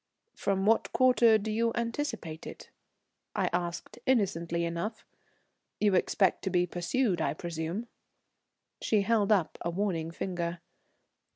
"From what quarter do you anticipate it?" I asked innocently enough. "You expect to be pursued, I presume?" She held up a warning finger.